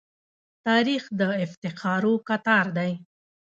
تاریخ د افتخارو کتار دی.